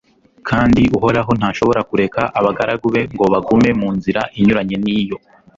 kandi uhoraho ntashobora kureka abagaragu be ngo bagume mu nzira inyuranye n'iyo